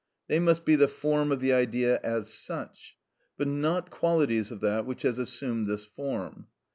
They must be the form of the idea as such; but not qualities of that which has assumed this form.